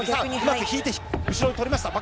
引いて後ろに取りました。